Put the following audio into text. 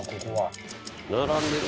並んでる。